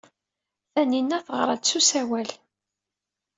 Taninna teɣra-d s usawal.